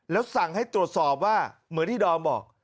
แล้วสั่งให้ตรวจสอบว่าเหมือนที่ดอมบอก